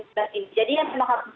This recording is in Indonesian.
isolasi mandiri atau koransi mandiri